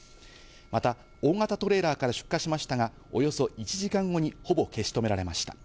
また大型トレーラーから出火しましたが、およそ１時間後にほぼ消し止められました。